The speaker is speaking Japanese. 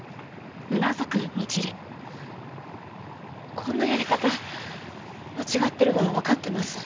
こんなやり方間違ってるのはわかってます。